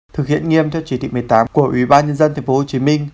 thực hiện nghiêm theo chỉ thị một mươi tám của ủy ban nhân dân tp hcm